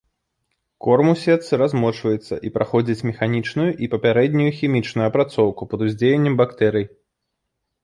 Корм у сетцы размочваецца і праходзіць механічную і папярэднюю хімічную апрацоўку пад уздзеяннем бактэрый.